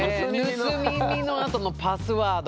「盗み見」のあとの「パスワード」。